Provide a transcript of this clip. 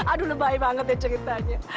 aduh lebay banget ya ceritanya